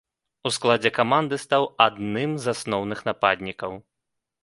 У складзе каманды стаў адным з асноўных нападнікаў.